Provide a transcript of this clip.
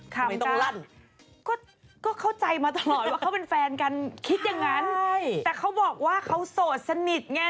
คำต้องลั่นก็เข้าใจมาตลอดว่าเขาเป็นแฟนกันคิดอย่างนั้นแต่เขาบอกว่าเขาโสดสนิทไง